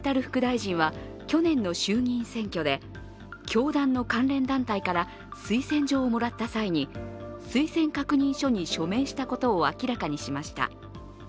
教団の関連団体から推薦状をもらった際に推薦確認書に署名したことを明らかにしました。